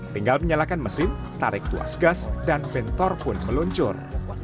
tinggal menyalakan mesin tarik tuas gas dan bentor pun meluncur